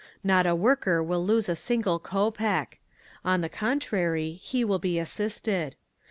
Not a worker will lose a single kopek; on the contrary, he will be assisted.